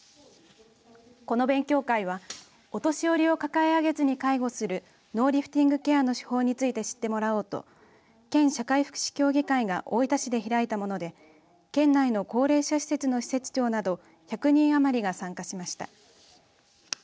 この勉強会は、お年寄りを抱え上げずに介護するノーリフティングケアの手法について知ってもらおうと県社会福祉協議会が大分市で開いたもので県内の高齢者施設の施設長など１００人余りが参加しました。